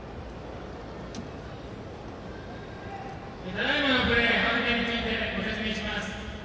ただいまのプレーの判定についてご説明します。